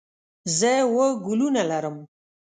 زه اووه ګلونه لرم.